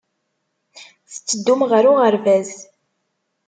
Tetteddum ɣer uɣerbaz.